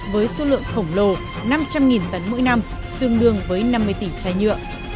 với số lượng khổng lồ năm trăm linh tấn mỗi năm tương đương với năm mươi tỷ chai nhựa